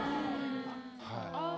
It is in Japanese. はい。